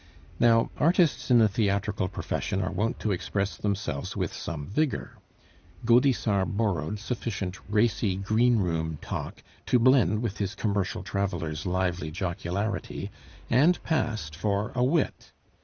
Now, artists in the theatrical profession are wont to express themselves with some vigor; Gaudissart borrowed sufficient racy green room talk to blend with his commercial traveler's lively jocularity, and passed for a wit.